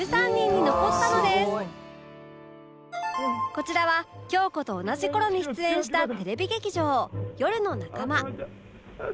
こちらは京子と同じ頃に出演したテレビ劇場『夜の仲間』